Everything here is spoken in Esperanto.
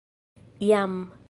jam